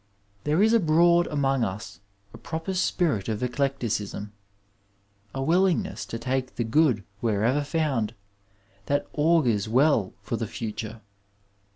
There is abroad among us a proper spirit of eclecticism, a willingness to take the good where ever found, that augurs well for the future.